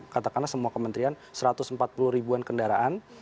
katakanlah semua kementerian satu ratus empat puluh ribuan kendaraan